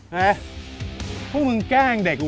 เฮ้ยพวกมึงแกล้งเด็กเหรอ